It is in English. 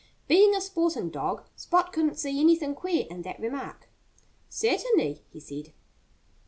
Being a sporting dog, Spot couldn't see anything queer in that remark. "Certainly!" he said.